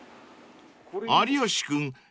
［有吉君